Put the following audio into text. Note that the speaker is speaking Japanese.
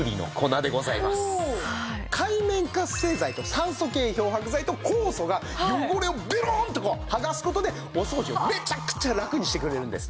界面活性剤と酸素系漂白剤と酵素が汚れをベローンとこう剥がす事でお掃除をめちゃくちゃラクにしてくれるんですね。